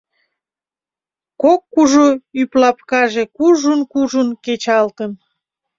Кок кужу ӱплапкаже кужун-кужун кечалтын.